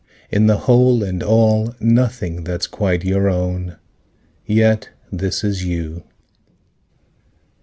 In the whole and all, Nothing that's quite your own. Yet this is you.